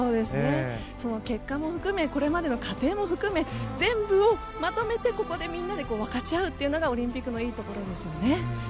その結果も含めこれまでの過程も含め全部をまとめてここでみんなで分かち合うのがオリンピックのいいところです。